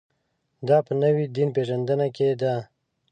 دا په نوې دین پېژندنه کې ده.